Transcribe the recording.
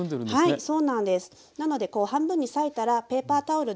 はい。